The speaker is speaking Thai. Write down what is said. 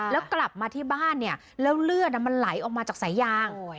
แล้วกลับมาที่บ้านเนี่ยแล้วเลือดมันไหลออกมาจากสายยาง